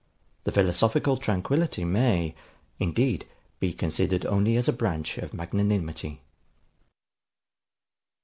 The philosophical tranquillity may, indeed, be considered only as a branch of magnanimity.